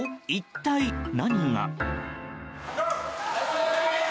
一体何が？